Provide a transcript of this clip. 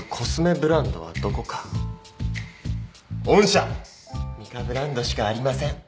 ブランドしかありません。